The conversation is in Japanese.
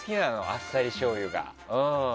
あっさりしょうゆが。